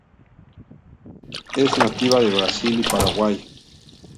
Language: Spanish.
Es nativa de Brasil y Paraguay.